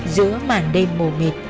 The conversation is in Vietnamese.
giữa mảng đêm mù mịt